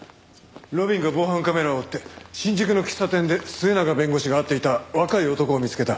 路敏が防犯カメラを追って新宿の喫茶店で末永弁護士が会っていた若い男を見つけた。